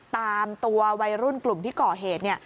ตามตัววัยรุ่นกลุ่มที่ก่อเหตุ